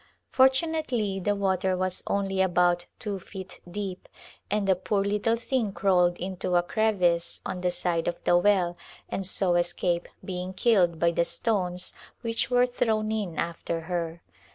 Fortunately the water was only about two feet deep and the poor little thing crawled into a crevice on the side of the well and so escaped being killed by the stones which were thrown in after her.